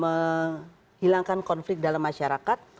menyebabkan konflik dalam masyarakat